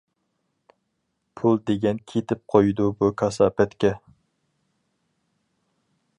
پۇل دېگەن كېتىپ قويىدۇ بۇ كاساپەتكە.